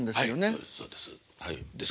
そうですそうです。